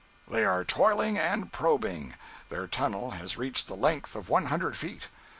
They are toiling and probing. Their tunnel has reached the length of one hundred feet.